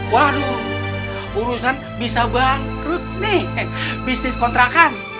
waduh urusan bisa bangkrut nih bisnis kontrakan